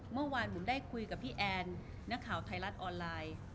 เมื่อวานบุ๋มได้คุยกับพี่แอนนักข่าวไทยรัฐออนไลน์